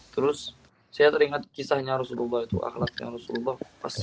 terus saya teringat kisahnya rasulullah itu akhlaknya rasulullah